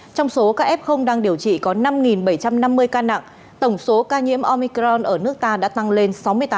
trong số các f đang điều trị có năm bảy trăm năm mươi ca nặng tổng số ca nhiễm omicron ở nước ta đã tăng lên sáu mươi tám